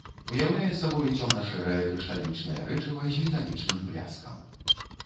Уяўляе сабой цёмна-шэрае крышталічнае рэчыва з металічным бляскам.